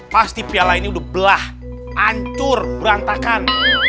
pasti piala ini udah belah hancur berantakan